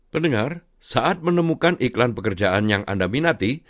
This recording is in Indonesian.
pendengar saat menemukan iklan pekerjaan yang anda minati